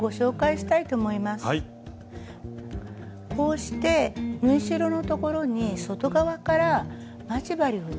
こうして縫い代の所に外側から待ち針を打ちます。